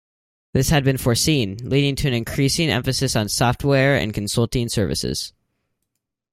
This had been foreseen, leading to an increasing emphasis on software and consulting services.